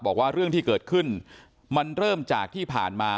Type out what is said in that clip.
บอกว่าเรื่องที่เกิดขึ้นมันเริ่มจากที่ผ่านมา